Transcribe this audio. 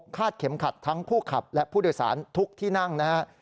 เข็มขัดทั้งผู้ขับและผู้โดยสารทุกที่นั่งนะครับ